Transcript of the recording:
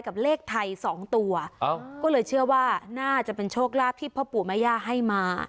กับเลขไทยสองตัวก็เลยเชื่อว่าน่าจะเป็นโชคลาภที่พ่อปู่แม่ย่าให้มา